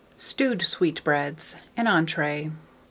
STEWED SWEETBREADS (an Entree).